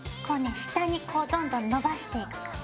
下にどんどんのばしていく感じ。